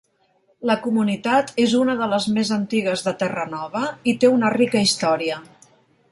La comunitat és una de les més antigues de Terranova i té una rica història.